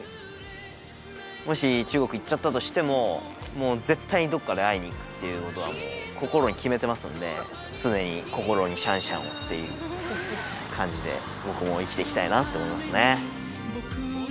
もし中国行っちゃったとしてももう絶対にどっかで会いに行くっていうことは心に決めてますんでっていう感じで僕も生きていきたいなと思いますね